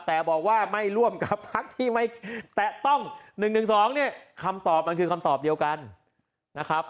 แต่บอกว่าไม่ร่วมกับพักที่ไม่แตะต้อง๑๑๒เนี่ยคำตอบมันคือคำตอบเดียวกันนะครับ